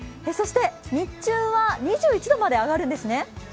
日中は２１度まで上がるんですね？